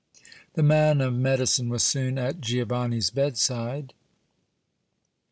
The man of medicine was soon at Giovanni's bedside.